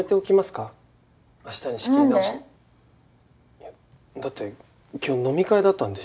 いやだって今日飲み会だったんですよね？